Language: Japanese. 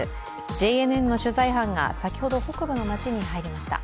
ＪＮＮの取材班が先ほど北部の街に入りました。